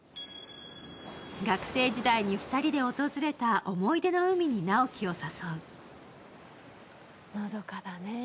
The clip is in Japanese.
学生時代に２人で訪れた思い出の海に直木を誘う。